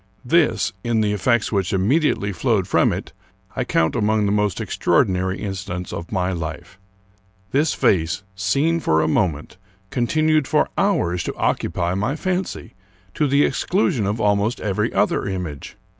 This, in the effects which immedi 226 Charles Brockdcn Brown ately flowed from it, I count among the most extraordinary incidents of my life. This face, seen for a moment, con tinued for hours to occupy my fancy, to the exckision of almost every other image.